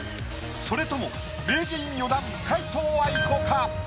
それとも名人４段皆藤愛子か？